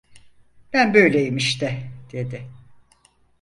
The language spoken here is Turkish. Ben böyleyim işte! dedi.